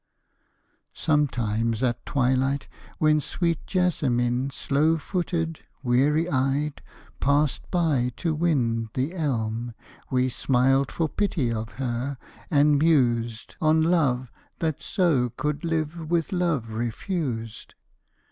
_ Sometimes at twilight, when sweet Jessamine, Slow footed, weary eyed, passed by to win The elm, we smiled for pity of her, and mused On love that so could live with love refused.